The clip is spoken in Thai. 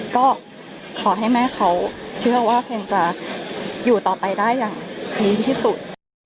ก็ขอให้แม่เขาเชื่อว่าเพลงจะอยู่ต่อไปได้อย่างดีที่สุด